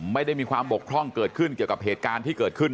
ไม่ได้มีความบกพร่องเกิดขึ้นเกี่ยวกับเหตุการณ์ที่เกิดขึ้น